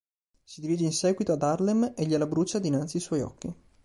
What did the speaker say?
Si dirige in seguito ad Harlem e gliela brucia dinanzi i suoi occhi.